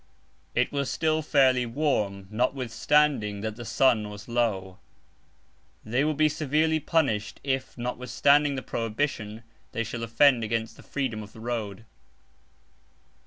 It was still fairly warm, notwithstanding that the sun was low. They will be severely punished if, notwithstanding the prohibition, they (shall) offend against the freedom of the road.